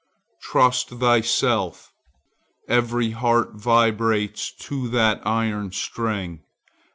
Trust thyself: every heart vibrates to that iron string.